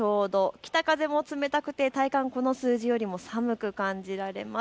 北風も冷たくて体感はこの数字よりも寒く感じられます。